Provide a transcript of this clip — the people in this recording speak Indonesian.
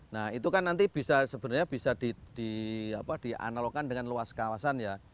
nah itu kan nanti bisa sebenarnya bisa dianalogkan dengan luas kawasan ya